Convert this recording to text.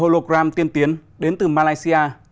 công nghệ hologram tiên tiến đến từ malaysia